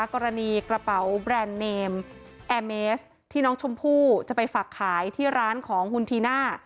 กระเป๋าแบรนด์เนมแอร์เมสที่น้องชมพู่จะไปฝากขายที่ร้านของคุณธีน่า